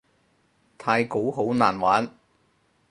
太鼓好難玩